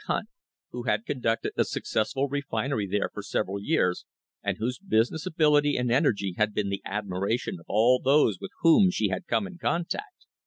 Hunt, who had conducted a successful refinery there for several years, and whose business ability and energy had been the admiration of all those with whom she had come in contact.